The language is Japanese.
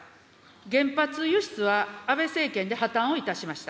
原発輸出は安倍政権で破綻をいたしました。